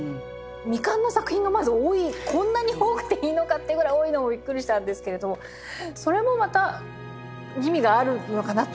未完の作品がまず多いこんなに多くていいのかというぐらい多いのもびっくりしたんですけれどもそれもまた意味があるのかなって。